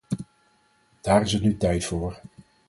Daar is het nu tijd voor.